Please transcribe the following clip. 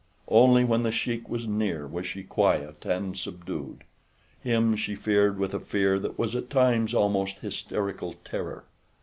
Only when The Sheik was near was she quiet and subdued. Him she feared with a fear that was at times almost hysterical terror.